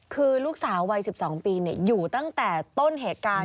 คือลูกสาววัย๑๒ปีอยู่ตั้งแต่ต้นเหตุการณ์